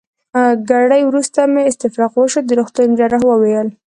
ګړی وروسته مې استفراق وشو، د روغتون جراح وویل.